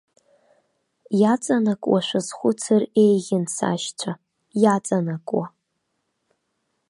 Иаҵанакуа шәазхәыцыр еиӷьын, сашьцәа, иаҵанакуа.